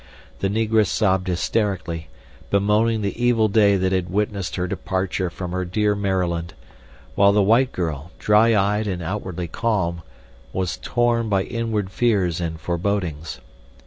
The Negress sobbed hysterically, bemoaning the evil day that had witnessed her departure from her dear Maryland, while the white girl, dry eyed and outwardly calm, was torn by inward fears and forebodings.